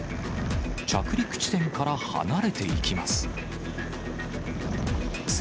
着陸地点から離れていきます。